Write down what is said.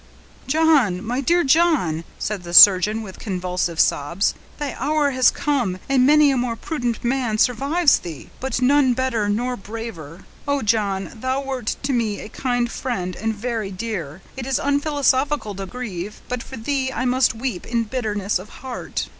"John! my dear John!" said the surgeon, with convulsive sobs, "thy hour has come, and many a more prudent man survives thee; but none better, nor braver. O John, thou wert to me a kind friend, and very dear; it is unphilosophical to grieve; but for thee I must weep, in bitterness of heart."